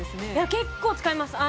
結構使います。